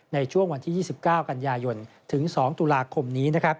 ในช่วงวันที่๒๙กันยายนถึง๒ตุลาคมนี้